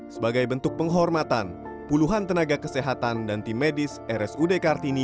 sebagai bentuk penghormatan puluhan tenaga kesehatan dan tim medis rsud kartini